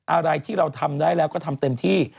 อะไรที่เราทำได้แล้วก็ทำเต็มที่